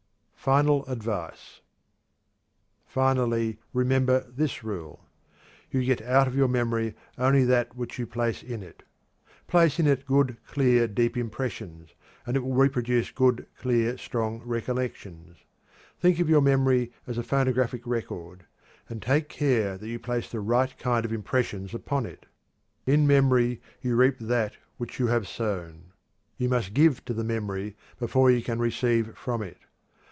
FINAL ADVICE. Finally, remember this rule: You get out of your memory only that which you place in it. Place in it good, clear, deep impressions, and it will reproduce good, clear, strong recollections. Think of your memory as a phonographic record, and take care that you place the right kind of impressions upon it. In memory you reap that which you have sown. You must give to the memory before you can receive from it.